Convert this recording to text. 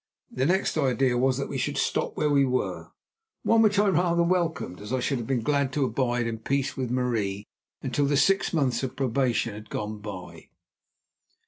The next idea was that we should stop where we were, one which I rather welcomed, as I should have been glad to abide in peace with Marie until the six months of probation had gone by.